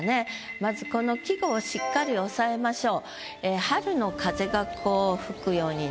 まずこの季語をしっかり押さえましょう。